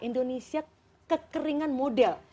indonesia kekeringan model